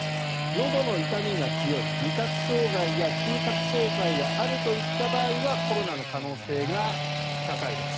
のどの痛みが強い味覚障害や嗅覚障害があるといった場合はコロナの可能性が高いです。